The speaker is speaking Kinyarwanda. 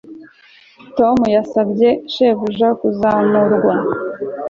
Tom yasabye shebuja kuzamurwa